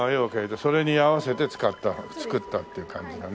それに合わせて作ったっていう感じだね。